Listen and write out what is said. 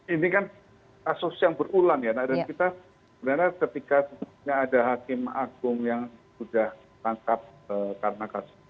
ini kan kasus yang berulang ya dan kita sebenarnya ketika ada hakim agung yang sudah tangkap karena kasus ini